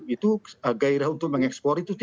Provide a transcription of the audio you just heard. itu gairah untuk mengeksplor